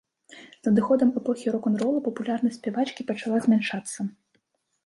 З надыходам эпохі рок-н-ролу папулярнасць спявачкі пачала змяншацца.